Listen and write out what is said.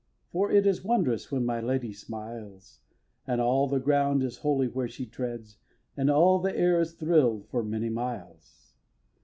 For it is wondrous when my Lady smiles, And all the ground is holy where she treads, And all the air is thrill'd for many miles!